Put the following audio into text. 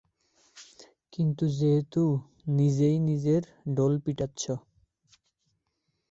কিন্তু যেহেতু নিজেই নিজের ঢোল পিটাচ্ছ।